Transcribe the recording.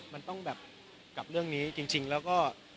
มันต้องแบบกับเรื่องนี้จริงแล้วก็